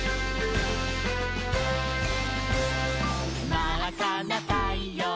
「まっかなたいよう